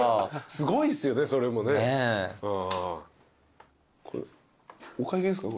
すごいっすよねそれもね。お会計か。